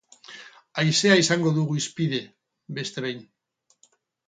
Haizea izango dugu hizpide, beste behin.